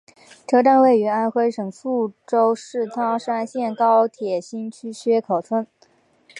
车站位于安徽省宿州市砀山县高铁新区薛口村。